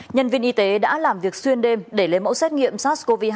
nhân viên y tế đã làm việc xuyên đêm để lấy mẫu xét nghiệm sars cov hai